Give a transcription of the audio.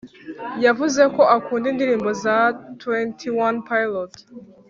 yavuze ko akunda indirimbo za twenty one pilot